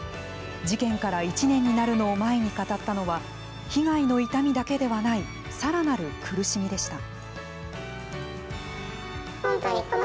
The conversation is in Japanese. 事件から１年になるのを前に語ったのは被害の痛みだけではないさらなる苦しみでした。